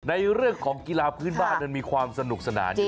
ในเรื่องของกีฬาพื้นบ้านมันมีความสนุกสนานอยู่